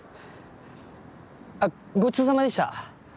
あっごちそうさまでした。